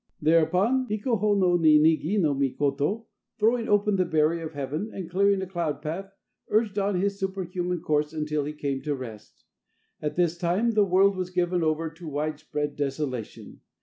Thereupon Hiko ho no Ninigi no Mikoto, throwing open the barrier of heaven and clearing a cloud path, urged on his superhuman course until he came to rest. At this time the world was given over to widespread desolation.